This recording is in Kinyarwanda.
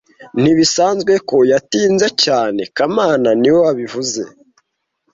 Ntibisanzwe ko yatinze cyane kamana niwe wabivuze